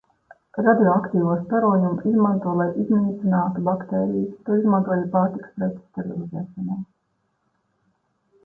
Radioaktīvo starojumu izmanto lai iznīcinātu baktērijas, to izmanto arī pārtikas preču sterilizēšanai.